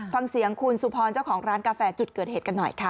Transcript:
ฟังเสียงคุณสุพรเจ้าของร้านกาแฟจุดเกิดเหตุกันหน่อยค่ะ